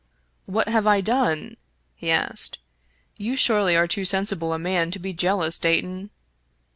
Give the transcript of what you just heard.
" What have I done ?" he asked. " You surely are too sensible a man to be jealous, Dayton."